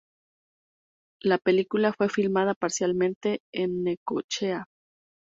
La película fue filmada parcialmente en Necochea.